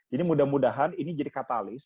jadi mudah mudahan ini jadi katalis